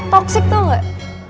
toxic tau nggak